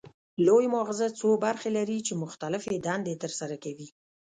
لوی مغزه څو برخې لري چې مختلفې دندې ترسره کوي